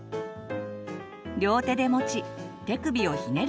両手で持ち手首をひねる